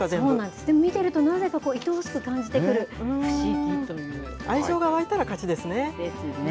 でも見てるとなぜかいとおしく感じてくる、不思議という。ですね。